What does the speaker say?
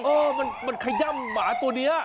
เออมันขย่ำหมาตัวนี้